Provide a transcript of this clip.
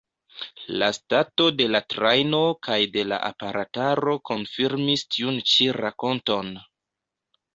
La stato de la trajno kaj de la aparataro konfirmis tiun ĉi rakonton.